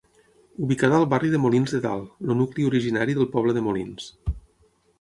Ubicada al barri de Molins de Dalt, el nucli originari del poble de Molins.